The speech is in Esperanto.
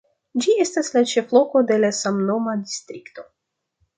Ĝi estas la ĉefloko de la samnoma distrikto.